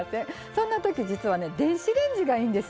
そんなとき実は電子レンジがいいんですよね。